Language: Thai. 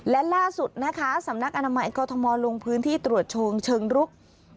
และล่าสุดนะคะสำนักอนามัยกรทมลงพื้นที่ตรวจเชิงเชิงรุก